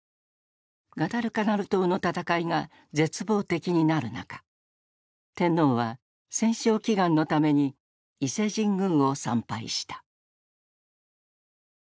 ガダルカナル島の戦いが絶望的になる中天皇は戦勝祈願のために伊勢神宮を参拝した。